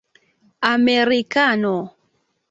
amerikano